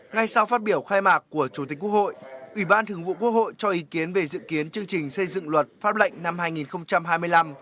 ngay sau phát biểu khai mạc của chủ tịch quốc hội ủy ban thường vụ quốc hội cho ý kiến về dự kiến chương trình xây dựng luật pháp lệnh năm hai nghìn hai mươi năm